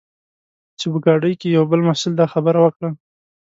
چې په ګاډۍ کې یوه بل محصل دا خبره وکړه.